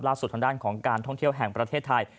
ทางด้านของการท่องเที่ยวแห่งประเทศไทย